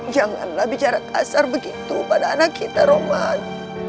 janganlah bicara kasar begitu pada anak kita roman